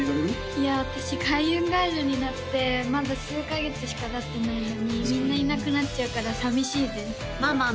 いや私ＫａｉｕｎＧｉｒｌになってまだ数カ月しかたってないのにみんないなくなっちゃうから寂しいですまあまあ